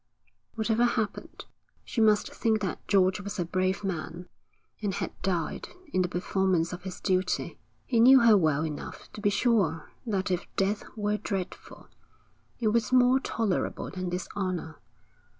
Whatever happened, she must think that George was a brave man, and had died in the performance of his duty. He knew her well enough to be sure that if death were dreadful, it was more tolerable than dishonour.